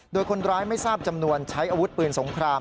โดยคนร้ายไม่ทราบจำนวนใช้อาวุธปืนสงคราม